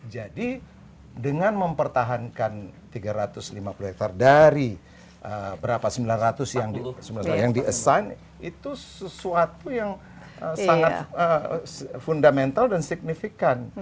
jadi dengan mempertahankan tiga ratus lima puluh hektare dari sembilan ratus hektare yang di assign itu sesuatu yang sangat fundamental dan signifikan